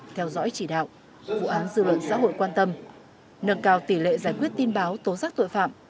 theo dõi chỉ đạo vụ án dư luận xã hội quan tâm nâng cao tỷ lệ giải quyết tin báo tố giác tội phạm